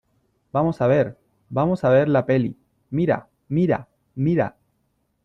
vamos a ver , vamos a ver la peli . mira , mira , mira .